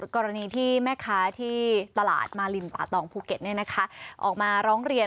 กรณีที่แม่ค้าที่ตลาดมารินป่าตองภูเก็ต